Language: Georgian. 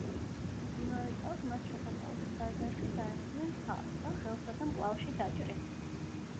იმავე წელს მას ჩოხატაურის ბაზარში დაესხნენ თავს და ხელსა და მკლავში დაჭრეს.